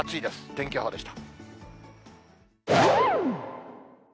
天気予報でした。